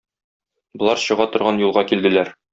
Болар чыга торган юлга килделәр.